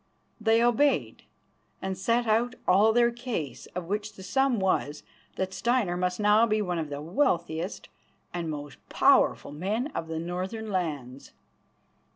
They obeyed, and set out all their case, of which the sum was that Steinar must now be one of the wealthiest and most powerful men of the northern lands.